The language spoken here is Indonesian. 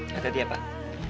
sampai dia pak